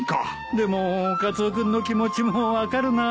でもカツオ君の気持ちも分かるなぁ。